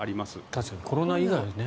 確かにコロナ以外はね。